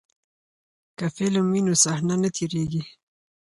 که فلم وي نو صحنه نه تیریږي.